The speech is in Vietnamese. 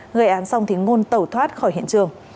gây án xong thì ngôn tẩu thoát khỏi hiện trường